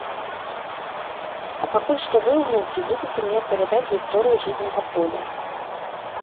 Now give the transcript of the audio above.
А пакуль што вы, унукі, будзеце мне апавядаць гісторыю жытняга поля.